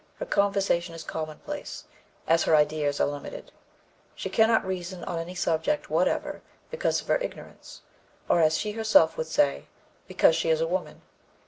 Her conversation is commonplace, as her ideas are limited; she can not reason on any subject whatever because of her ignorance; or, as she herself would say, because she is a woman.